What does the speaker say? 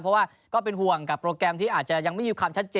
เพราะว่าก็เป็นห่วงกับโปรแกรมที่อาจจะยังไม่มีความชัดเจน